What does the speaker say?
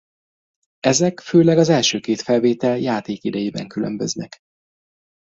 Ezek főleg az első két felvétel játékidejében különböznek.